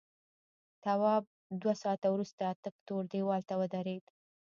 تواب دوه ساعته وروسته تک تور دیوال ته ودرېد.